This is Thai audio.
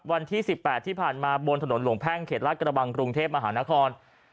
วันที่๑๘ที่ผ่านมาบนถนนหลวงแพ่งเขตลาดกระบังกรุงเทพมหานคร